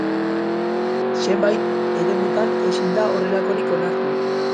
Zenbait eremutan ezin da horrelakorik onartu.